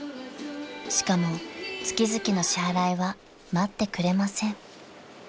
［しかも月々の支払いは待ってくれません］